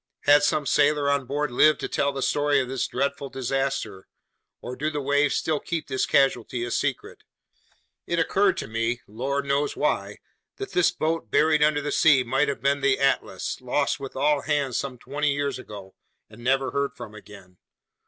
Had some sailor on board lived to tell the story of this dreadful disaster, or do the waves still keep this casualty a secret? It occurred to me, lord knows why, that this boat buried under the sea might have been the Atlas, lost with all hands some twenty years ago and never heard from again!